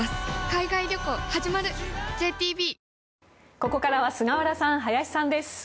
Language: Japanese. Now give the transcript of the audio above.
ここからは菅原さん、林さんです。